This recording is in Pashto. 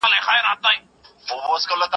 زه به سبا د کتابتون د کار مرسته وکړم.